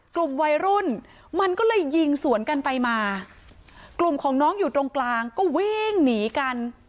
กลุ่มวัยรุ่นมันก็เลยยิงสวนกันไปมากลุ่มของน้องอยู่ตรงกลางก็วิ่งหนีกัน